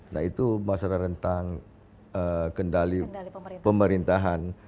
nah itu masalah rentang kendali pemerintahan